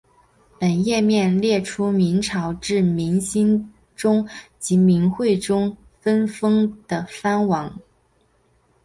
本页面列出明朝自明兴宗及明惠宗分封的藩王。